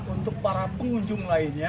untuk para pengunjung